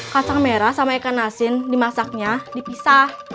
kacang merah sama ikan asin dimasaknya dipisah